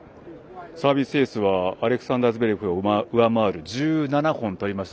サービスエースはアレクサンダー・ズベレフを上回る１７本取りました。